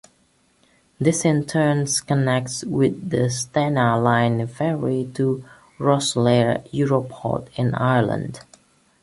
This in turn connects with the Stena Line ferry to Rosslare Europort in Ireland.